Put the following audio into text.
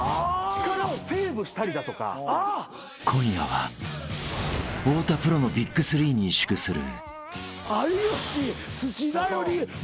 ［今夜は太田プロのＢＩＧ３に萎縮する］